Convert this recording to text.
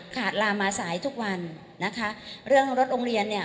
ลามาสายทุกวันนะคะเรื่องรถโรงเรียนเนี่ย